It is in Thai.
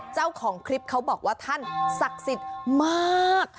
เจ้าของคลิปเขาบอกว่าท่านศักดิ์สิทธิ์มาก